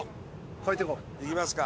行きますか。